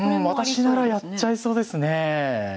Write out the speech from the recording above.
私ならやっちゃいそうですね。